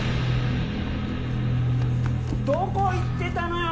どこ行ってたのよ